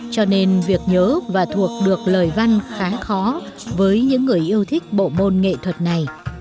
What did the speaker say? cho nên việc nhớ và thuộc được lời văn khá khó với những người yêu thích bộ môn nghệ thuật này